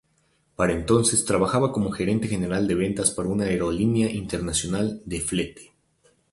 Para entonces trabajaba como gerente general de ventas para una aerolínea internacional de flete.